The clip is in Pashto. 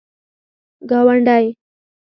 گاونډی